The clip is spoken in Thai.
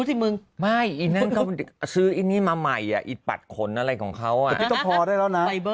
เพราะความเป็นสินิมงคลของตัวเองเขาจะให้ไม่ด่า